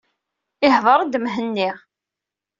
Ihḍeṛ-d Mhenni.